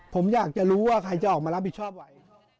ผมอยากจะรู้ว่าใครจะออกมารับผิดชอบไว้